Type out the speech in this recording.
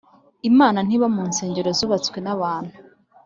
Imana ntiba mu nsengero zubatswe n abantu